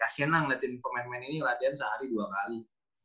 senang ngeliatin pemain pemain ini latihan sehari dua kali